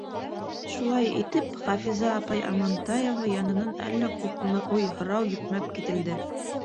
Шулай итеп, Хафиза апай Амантаева янынан әллә күп уй-һорау йөкмәп кителде.